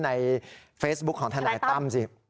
ในเฟซบุ๊คของทนายตั้มสิ